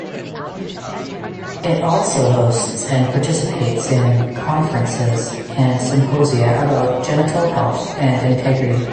It also hosts and participates in conferences and symposia about genital health and integrity.